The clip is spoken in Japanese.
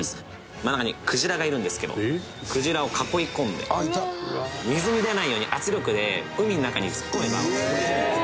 真ん中にクジラがいるんですけどクジラを囲い込んで水に出ないように圧力で海の中に突っ込めば溺れるんですね。